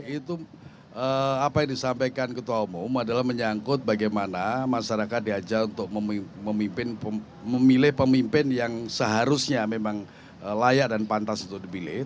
itu apa yang disampaikan ketua umum adalah menyangkut bagaimana masyarakat diajak untuk memilih pemimpin yang seharusnya memang layak dan pantas untuk dipilih